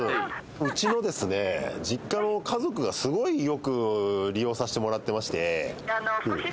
うちのですね実家の家族がすごいよく利用させてもらってまして。